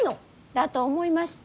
だと思いました。